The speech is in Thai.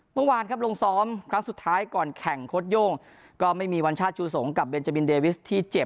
เมื่อวานครับลงซ้อมครั้งสุดท้ายก่อนแข่งโค้ดโย่งก็ไม่มีวัญชาติจูสงกับเบนจาบินเดวิสที่เจ็บ